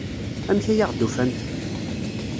Amek ay aɣ-d-ufant?